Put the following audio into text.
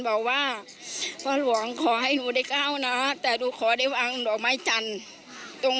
บอกว่าพ่อหลวงขอให้หนูได้ก้าวนะแต่หนูขอได้วางดอกไม้จันทร์ตรง